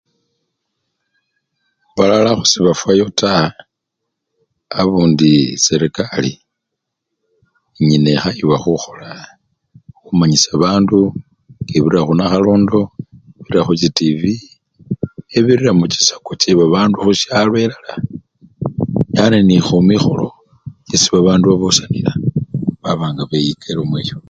Balala sebafwayo taa abundi serekari engene ekhayibwa khukhola, khumanyisya bandu ngebirira khunakhalondo, khubirira khuchitivwi nebirira muchisako chebabandu khusyalo elala, yani nekhumikholo esi bandu babusanila baba nga beyika elomo eyo.